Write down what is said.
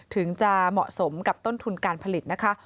ถึงจะเหมาะสมกับต้นทุนการผลิตนะคะ